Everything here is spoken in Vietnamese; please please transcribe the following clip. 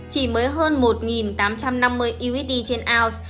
chỉ mới hơn một tám trăm năm mươi usd trên ounce